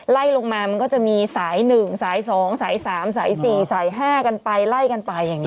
ไล่ลงมามันก็จะมีสายหนึ่งสายสองสายสามสายสี่สายห้ากันไปไล่กันไปอย่างนี้